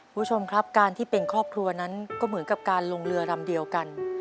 คุณผู้ชมครับการที่เป็นครอบครัวนั้นก็เหมือนกับการลงเรือลำเดียวกัน